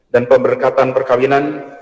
dan pemberkatan perkawinan